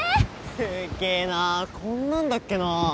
すっげえなあこんなんだっけな。